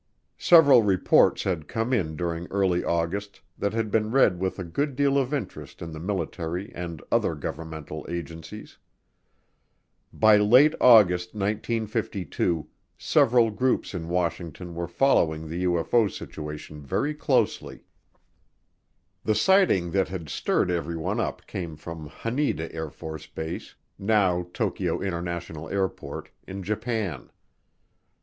Several reports had come in during early August that had been read with a good deal of interest in the military and other governmental agencies. By late August 1952 several groups in Washington were following the UFO situation very closely. The sighting that had stirred everyone up came from Haneda AFB, now Tokyo International Airport, in Japan.